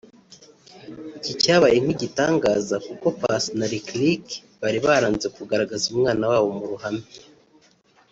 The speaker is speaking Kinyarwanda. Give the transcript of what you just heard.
Iki cyabaye nk’igitangaza kuko Paccy na Lick Lick bari baranze kugaragaza umwana wabo mu ruhame